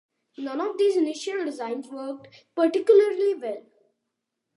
None of these initial designs worked particularly well.